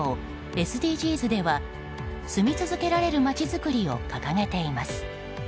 ＳＤＧｓでは住み続けられるまちづくりを掲げています。